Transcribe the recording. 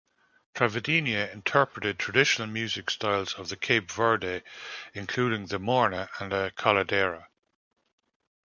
Travadinha interpreted traditional music styles of Cape Verde including the "morna" and "coladera".